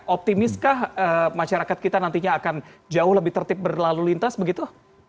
optimiskah masyarakat kita nantinya akan jauh lebih tertib berlalu lintas begitu